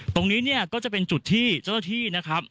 ตรงนี้เนี่ยก็จะเป็นจุดที่เจ้าหน้าที่นะครับ